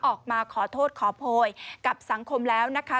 ออกมาขอโทษขอโพยกับสังคมแล้วนะคะ